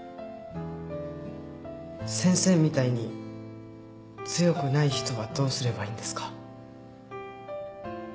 先生みたいに強くない人はどうすればいいんですか？